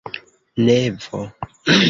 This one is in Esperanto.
nevo